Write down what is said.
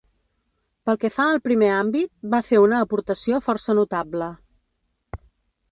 Pel que fa al primer àmbit, va fer una aportació força notable.